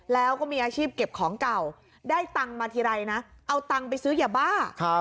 แล้วก็มีอาชีพเก็บของเก่าได้ตังค์มาทีไรนะเอาตังค์ไปซื้อยาบ้า